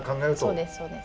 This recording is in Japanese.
そうですそうです。